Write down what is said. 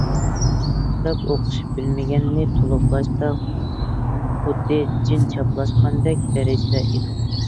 كىتاب ئوقۇش، بىلمىگەننى تولۇقلاشتا خۇددى جىن چاپلاشقاندەك دەرىجىدە ئىدۇق.